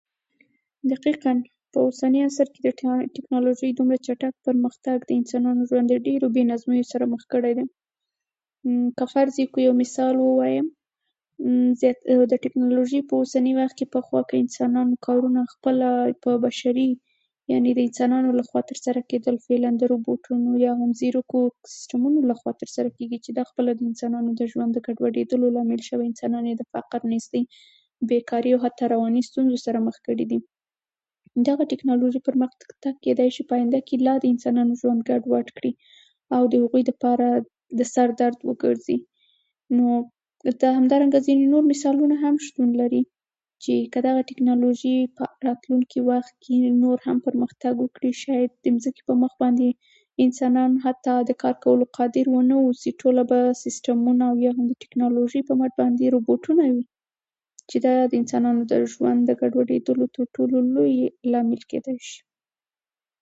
دقیقاً! په اوسني عصر کې ټېکنالوژي دومره چټک پرمختګ د انسانانو ژوند له ډېرو بې نظمیو سره مخ کړی دی. که فرض يې کړو يو مثال ووايم، د ټېکنالوژي په اوسني وخت کې پخوا که انسانانو کارونه خپله په بشري يعنې د انسانو له خوا ترسره کیدل فعلأ د روباټونو او ځيرکو سیسټمونو له خوا ترسره کېږي چې دا خپله د انسانانو د ژوند د ګډوډېلو لامل شوی، انسانان يې د فقر ، نېستۍ، بېکاري حتا رواني ستونځو سره مخ کړي دي، دغه ټېکنالوژي پرمختګ کېداشي په آينده کې لا د انسانانو ژوند ګډوډ کړي او د هغوی د پاره د سر درد وګرځي. نو دلته همدا رنګه ځينې نور مثالونه هم شتون لري ،چې که دغه ټېکنالوژي په راتلونکي وخت کې نور هم پرمختګ وکړي شاید د ځمکې پر مخ باندې انسانان حتا د کارکولو قادر ونه اوسي ټوله به سيسټمونه او یا هم د ټېکنالوژي په مټ باندې روباټونه وي چې دا د انسانو د ژوند د ګډوډولو کېدو لوی لامل کېدای شي